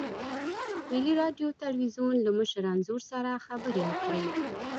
ملي راډیو تلویزیون له مشر انځور سره خبرې وکړې.